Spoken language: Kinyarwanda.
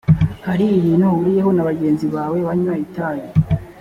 hari ibintu uhuriyeho na bagenzi bawe banywa itabi